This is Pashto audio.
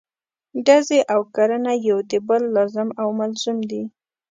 ډزې او کرنه یو د بل لازم او ملزوم دي.